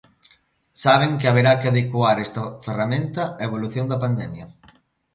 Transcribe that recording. Saben que haberá que adecuar esta ferramenta á evolución da pandemia.